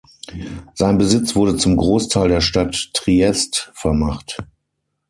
Sein Besitz wurde zum Großteil der Stadt Triest vermacht.